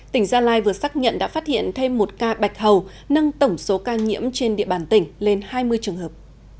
tỉnh gia lai vừa xác nhận đã phát hiện thêm một ca bạch hầu nâng tổng số ca nhiễm trên địa bàn tỉnh lên hai mươi trường hợp